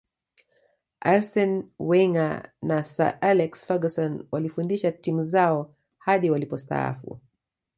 arsene wenger na sir alex ferguson walifundisha timu zao hadi walipostaafu